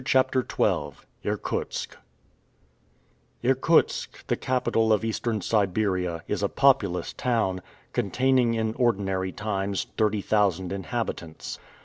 CHAPTER XII IRKUTSK IRKUTSK, the capital of Eastern Siberia, is a populous town, containing, in ordinary times, thirty thousand inhabitants.